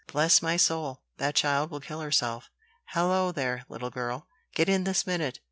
"Bless my soul! that child will kill herself. Hallo, there! little girl; get in this minute!"